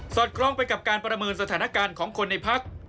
คล้องไปกับการประเมินสถานการณ์ของคนในพัก